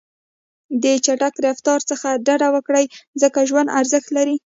د چټک رفتار څخه ډډه وکړئ، ځکه ژوند ارزښت لري.